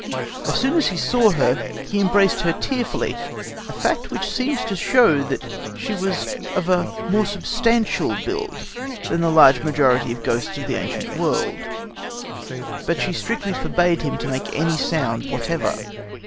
As soon as he saw her he embraced her tearfully, a fact which seems to show that she was of a more substantial build than the large majority of ghosts of the ancient world; but she strictly forbade him to make any sound whatever.